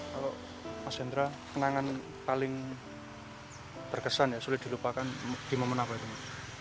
kalau mas hendra kenangan paling berkesan sulit dilupakan di momen apa itu